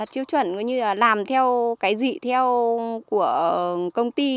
chiếu chuẩn là làm theo cái gì theo của công ty